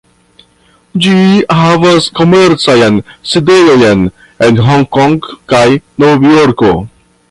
Ĝi havas komercajn sidejojn en Hong-Kong kaj Novjorko.